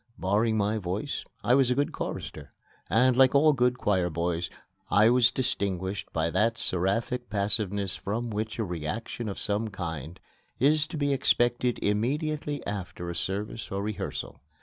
Barring my voice, I was a good chorister, and, like all good choir boys, I was distinguished by that seraphic passiveness from which a reaction of some kind is to be expected immediately after a service or rehearsal.